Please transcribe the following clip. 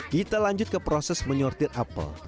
kita lanjut ke proses menyortir apel